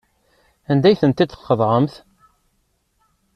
Anda ay tent-id-tqeḍɛemt?